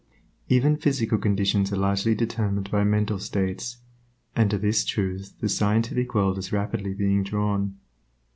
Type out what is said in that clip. Even physical conditions are largely determined by mental states, and to this truth the scientific world is rapidly being drawn.